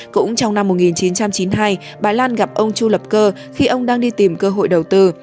cũng trong năm một nghìn chín trăm chín mươi hai bà lan gặp ông chu lập cơ khi ông đang đi tìm cơ hội đầu tư